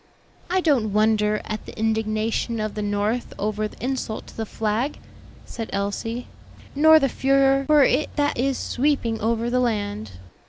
"I don't wonder at the indignation of the North over the insult to the flag," said Elsie; "nor the furor for it that is sweeping over the land."